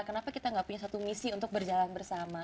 kenapa kita nggak punya satu misi untuk berjalan bersama